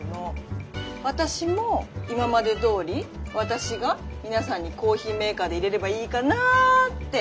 私も今までどおり私が皆さんにコーヒーメーカーでいれればいいかなって。